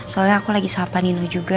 soalnya aku lagi sahabat nino juga